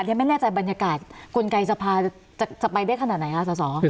เรียกไม่แน่ใจบรรยากาศคุณไกรสภาจะไปได้ขนาดไหนครับสส